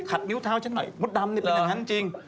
นิ้วเท้าฉันหน่อยมดดำนี่เป็นอย่างนั้นจริง